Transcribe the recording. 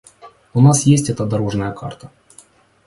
У нас есть эта дорожная карта.